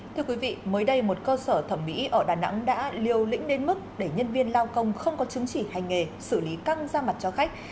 thưa quý vị mới đây một cơ sở thẩm mỹ ở đà nẵng đã liều lĩnh đến mức để nhân viên lao công không có chứng chỉ hành nghề xử lý căng ra mặt cho khách